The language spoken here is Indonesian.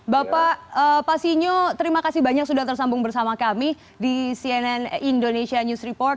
bapak pak sinyo terima kasih banyak sudah tersambung bersama kami di cnn indonesia news report